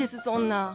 そんな。